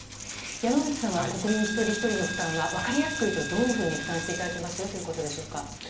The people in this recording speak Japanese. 山口さんは国民一人ひとりの負担は分かりやすく言うとどういうふうに負担していただきますよということでしょうか。